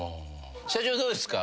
社長どうですか？